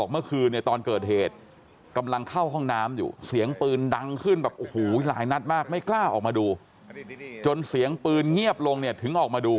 ไม่กล้าออกมาดูจนเสียงปืนเงียบลงถึงออกมาดู